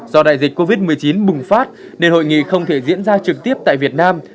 do đại dịch covid một mươi chín bùng phát nên hội nghị không thể diễn ra trực tiếp tại việt nam